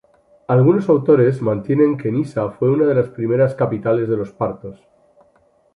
Algunos autores sostienen que Nisa fue una de las primeras capitales de los partos.